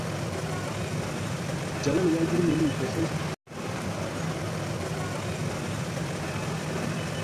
Jalal ya girme min sosai.